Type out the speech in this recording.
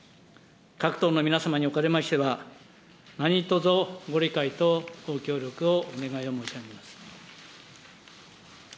各党の皆様におかれましては、何とぞご理解とご協力をお願いを申し上げます。